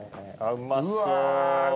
うまそう。